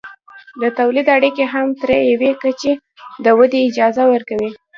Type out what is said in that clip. د تولید اړیکې هم تر یوې کچې د ودې اجازه ورکوي.